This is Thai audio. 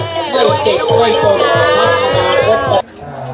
คุณทางเหลือเก่งเหลือใจ